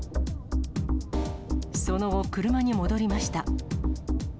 その後、車に戻りました。